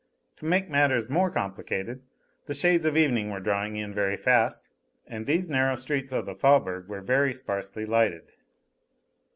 To make matters more complicated, the shades of evening were drawing in very fast, and these narrow streets of the Faubourg were very sparsely lighted.